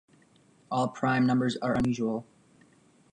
All prime numbers are unusual.